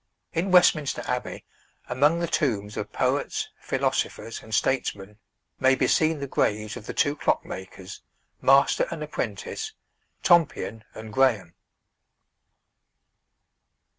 In Westminster Abbey, among the tombs of poets, philosophers, and statesmen, may be seen the graves of the two clock makers, master and apprentice, Tompion and Graham.